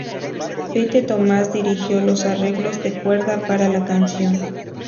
Pete Thomas dirigió los arreglos de cuerda para la canción.